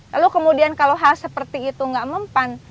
lalu kemudian kalau hal seperti itu nggak mempan